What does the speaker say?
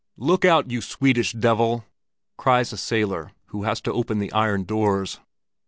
"Look out, you Swedish devil!" cries a sailor who has to open the iron doors.